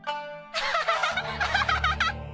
アハハハハ！